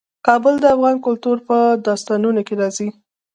کابل د افغان کلتور په داستانونو کې راځي.